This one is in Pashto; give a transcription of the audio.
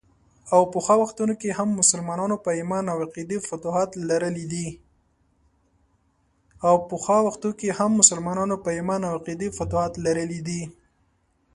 او پخوا وختونو کې هم مسلمانانو په ايمان او عقیده فتوحات لرلي دي.